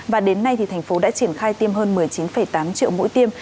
và đến nay thì thành phố đã triển khai tiêm hơn một mươi chín tám triệu mũi tiêm